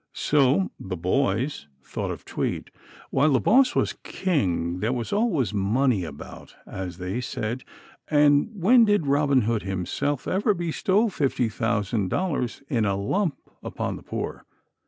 So "the boys" thought of Tweed. While the "Boss" was king there was always money about, as they said; and when did Robin Hood himself ever bestow fifty thousand dollars in a lump upon the poor?